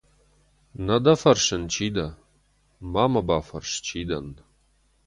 Нӕ дӕ фӕрсын, чи дӕ? Ма мӕ бафӕрс, чи дӕн?